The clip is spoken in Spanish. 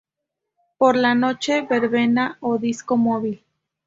Por la noche, Verbena o Disco Móvil.